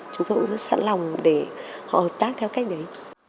chúng tôi cũng rất sẵn lòng để họ hợp tác theo cách đấy